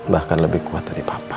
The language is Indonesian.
bahkan lebih kuat dari papa